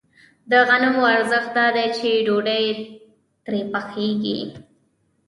د غنمو ارزښت دا دی چې ډوډۍ ترې پخېږي